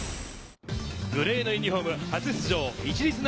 グレーのユニホーム、初出場・市立